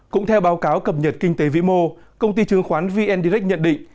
cũng theo báo cáo cập nhật kinh tế vĩ mô công ty chứng khoán vn direct nhận định